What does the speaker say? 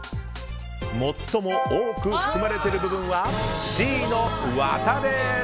最も多く含まれている部分はＣのワタです。